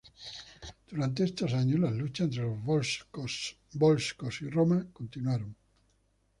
Durante estos años las luchas entre los volscos y Roma continuaron.